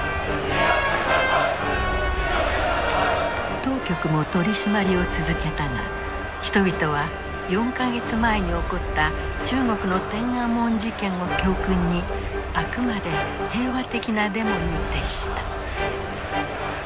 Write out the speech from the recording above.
当局も取締りを続けたが人々は４か月前に起こった中国の天安門事件を教訓にあくまで平和的なデモに徹した。